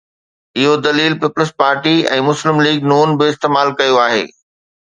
اهو دليل پيپلز پارٽي ۽ مسلم ليگ ن به استعمال ڪيو آهي.